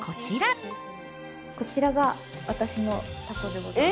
こちらが私のタコでございます。